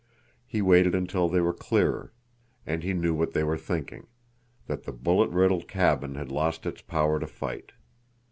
He waited until they were clearer, and he knew what they were thinking—that the bullet riddled cabin had lost its power to fight.